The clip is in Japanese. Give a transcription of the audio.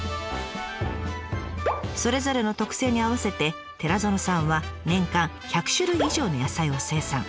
それぞれの特性に合わせて寺園さんは年間１００種類以上の野菜を生産。